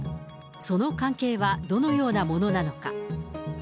その関係はどのようなものなのか。